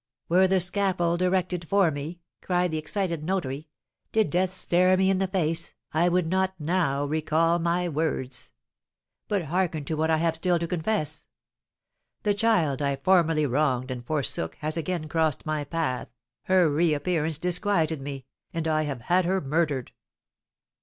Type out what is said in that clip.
"Were the scaffold erected for me," cried the excited notary, "did death stare me in the face, I would not now recall my words. But hearken to what I have still to confess. The child I formerly wronged and forsook has again crossed my path, her reappearance disquieted me, and I have had her murdered."